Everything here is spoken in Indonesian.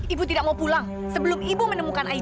ibu tidak mau pulang sebelum ibu menemukan ayahnya